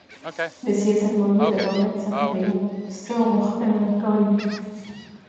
د سیاست موضوع د دولت څخه د یو څه غوښتنه کول دي.